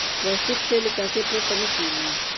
کلاسیک شعر له قافیه پرته نه کیږي.